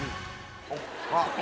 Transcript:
あっ。